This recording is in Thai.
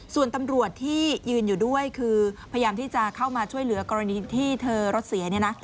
ส่วนตำรวจที่ยืนอยู่ด้วยคือพยายามที่จะเข้ามาช่วยเหลือกรณีที่เธอรถเสียเนี่ยนะ